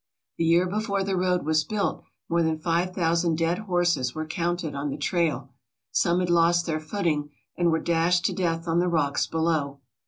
The year before the road was built more than five thousand dead horses were counted on the trail. Some had lost their footing and were dashed to death on the rocks below.